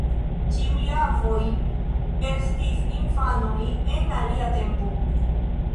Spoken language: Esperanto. Ĉiuj avoj estis infanoj, en alia tempo.